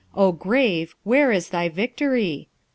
O grave, where is thy victory?